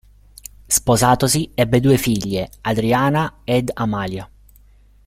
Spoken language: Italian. Sposatosi, ebbe due figlie, Adriana ed Amalia.